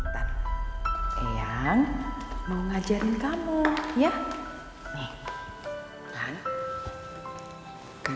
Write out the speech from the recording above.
sayang mau ngajarin kamu ya